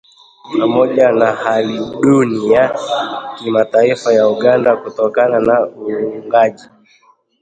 pamoja na hali duni ya kimataifa ya Uganda kutokana na uungaji